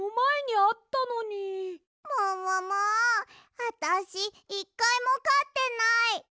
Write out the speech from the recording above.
あたし１かいもかってない。